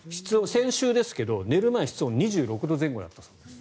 先週ですけど寝る前の室温が２６度前後だったそうです。